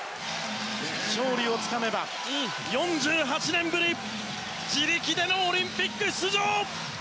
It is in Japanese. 勝利をつかめば４８年ぶり自力でのオリンピック出場！